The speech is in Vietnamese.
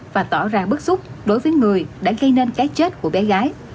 và tỏ ra bức xúc đối với người đã gây nên cái chết của bé gái